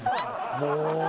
もう。